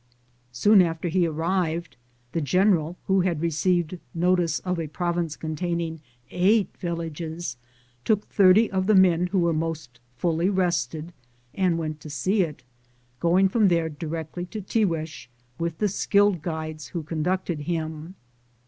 Soon after he arrived, the general, who had received notice of a province containing eight villages, took 30 of the men who were most fully rested and went to see it, going from there directly to Tiguex with the skilled guides who con ducted him.